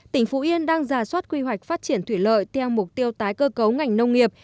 tỉnh phú yên đang giả soát quy hoạch phát triển thủy lợi theo mục tiêu tái cơ cấu ngành nông nghiệp